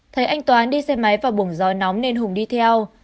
thấy anh toán đi xe máy vào buồng gió nóng nên hùng đi theo